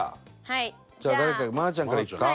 じゃあ誰から愛菜ちゃんからいくか？